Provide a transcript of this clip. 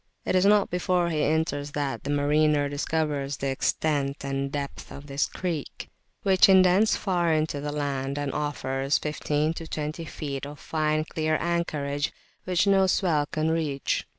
It is not before he enters that the mariner discovers the extent and the depth of this creek, which indents far into the land, and offers 15 to 20 feet of fine clear anchorage which no swell can reach.